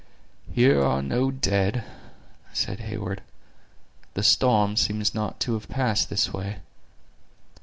"Here are no dead," said Heyward; "the storm seems not to have passed this way."